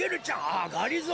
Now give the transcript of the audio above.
あっがりぞー。